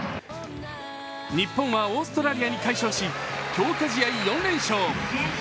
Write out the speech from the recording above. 日本はオーストラリアに快勝し強化試合４連勝。